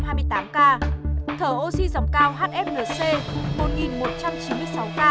thở oxy dòng cao hflc một một trăm chín mươi sáu ca